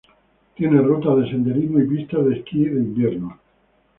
Tiene rutas de senderismo y pistas de esquí de invierno.